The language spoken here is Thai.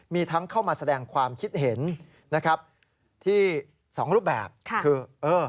มีทั้งเข้ามาแสดงความคิดเห็นที่๒รูปแบบคือ